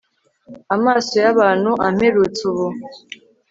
amaso y'abantu amperutse ubu